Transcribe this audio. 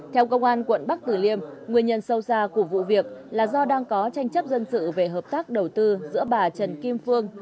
theo công an quận bắc tử liêm nguyên nhân sâu xa của vụ việc là do đang có tranh chấp dân sự về hợp tác đầu tư giữa bà trần kim phương